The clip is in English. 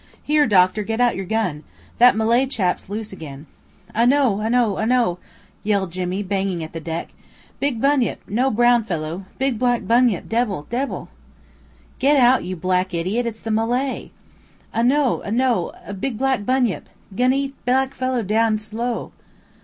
"Here, doctor, get out your gun, that Malay chap's loose again." "A no a no a no," yelled Jimmy, banging at the deck. "Big bunyip no brown fellow big black bunyip debble, debble!" "Get out, you black idiot; it's the Malay." "A no a no a no; big black bunyip. 'Gin eat black fellow down slow."